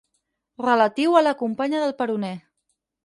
Relatiu a la companya del peroné.